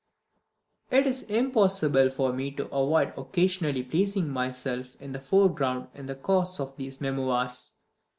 It is impossible for me to avoid occasionally placing myself in the foreground in the course of these Memoirs.